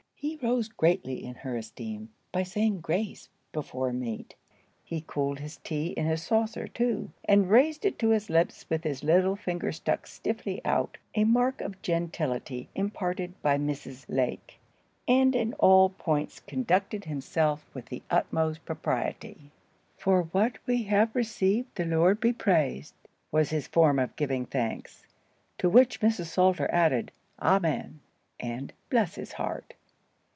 He rose greatly in her esteem by saying grace before meat. He cooled his tea in his saucer too, and raised it to his lips with his little finger stuck stiffly out (a mark of gentility imparted by Mrs. Lake), and in all points conducted himself with the utmost propriety. "For what we have received the Lord be praised," was his form of giving thanks; to which Mrs. Salter added, "Amen," and "Bless his heart!"